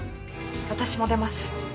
私も出ます。